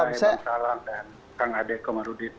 bang ray bang salam dan kang ade komarudin